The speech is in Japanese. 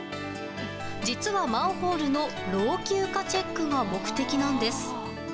実は、マンホールの老朽化チェックが目的なんです。